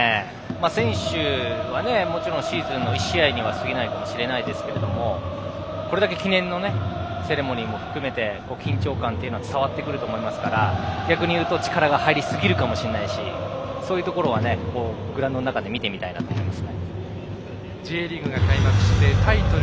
選手は、もちろんシーズンの１試合には過ぎないかもしれないですけど、これだけ記念のセレモニーも含めて緊張感というのは伝わってくると思いますから、逆に言うと緊張しすぎるかもしれないしそういうところは見てみたいなと思います。